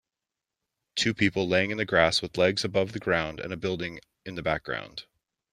Two people laying in the grass with legs above the ground and a building in the background.